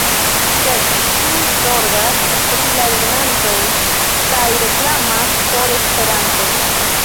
Sed ĉiuj zorgas pri lernantoj kaj reklamas por Esperanto.